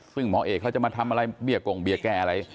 ซึ่งหมอเอกเขาจะมาทำอะไรเบี้ยกงเบี้ยแก้อะไร